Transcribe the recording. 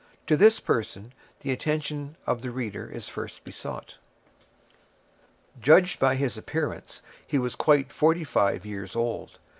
To this person the attention of the reader is first besought. Judged by his appearance, he was quite forty five years old.